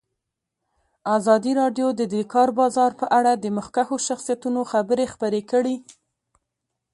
ازادي راډیو د د کار بازار په اړه د مخکښو شخصیتونو خبرې خپرې کړي.